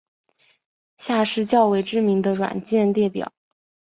下列是较为知名的软件列表。